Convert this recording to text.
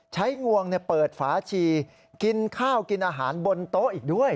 งวงเปิดฝาชีกินข้าวกินอาหารบนโต๊ะอีกด้วย